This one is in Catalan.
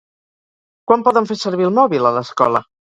Quan poden fer servir el mòbil a l'escola?